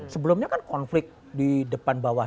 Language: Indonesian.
sebelumnya kan konflik di depan bawah